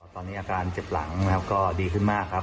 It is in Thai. ตอนนี้อาการเจ็บหลังนะครับก็ดีขึ้นมากครับ